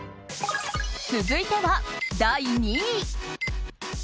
続いては第２位。